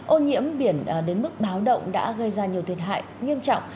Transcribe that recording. ô nhiễm biển đến mức báo động đã gây ra nhiều thiệt hại nghiêm trọng